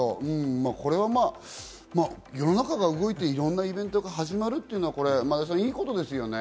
世の中が動いて、いろんなイベントが始まるというのは前田さん、いいことですよね。